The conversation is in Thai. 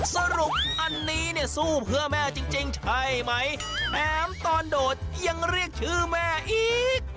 สรุปอันนี้เนี่ยสู้เพื่อแม่จริงใช่ไหมแถมตอนโดดยังเรียกชื่อแม่อีก